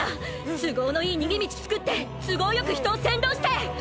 都合のいい逃げ道作って都合よく人を扇動して！！